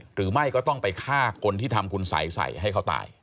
หรือไม่ก็ต้องไปฆ่าคนที่ทำคุณสัยใส่ให้เขาตาย